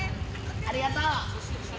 ありがとう。